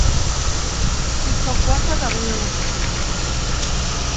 Fins al quatre d’abril.